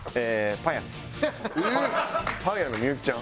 パン屋のミユキちゃん？